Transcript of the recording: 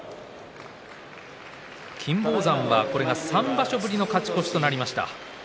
金峰山は、これが３場所ぶりの勝ち越しになりました。